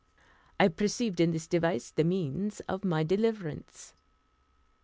I perceived in this device the means of my deliverance.